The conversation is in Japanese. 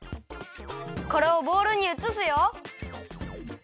これをボウルにうつすよ。